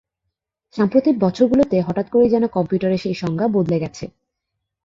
সাম্প্রতিক বছর গুলোতে হঠাৎ করেই যেন কম্পিউটারের সেই সংজ্ঞা বদলে গেছে।